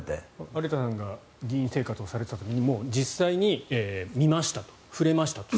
有田さんが議員生活をされていた時にも実際に見ました、触れましたと。